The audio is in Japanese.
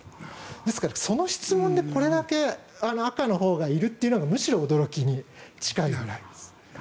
ですから、その質問でこれだけ赤のほうがいるというのがむしろ驚きに近いと思います。